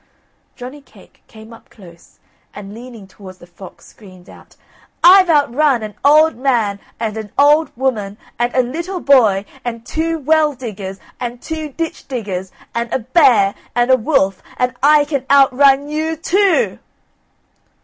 Johnny cake came up close, and leaning towards the fox screamed out: I'VE OUTRUN AN OLD MAN, AND AN OLD WOMAN, AND A LITTLE BOY, AND TWO WELL DIGGERS, AND TWO DITCH DIGGERS, AND A BEAR, AND A WOLF, AND I CAN OUTRUN YOU TOO O O!"